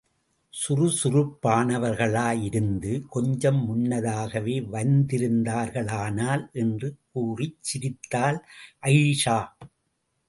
சுறுசுறுப்பானவர்களாயிருந்து, கொஞ்சம் முன்னதாகவே வந்திருந்தார்களானால்... என்று கூறிச்சிரித்தாள் அயீஷா.